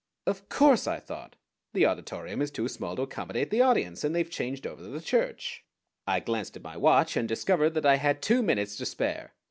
"Of course," I thought, "the Auditorium is too small to accommodate the audience, and they've changed over to the church." I glanced at my watch, and discovered that I had two minutes to spare.